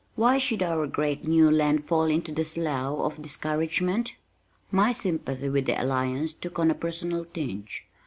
Why should our great new land fall into this slough of discouragement? My sympathy with the Alliance took on a personal tinge.